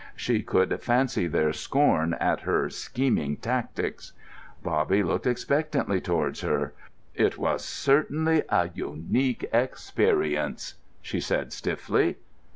She could fancy their scorn at her "scheming tactics." Bobby looked expectantly towards her. "It was certainly a unique experience," she said stiffly.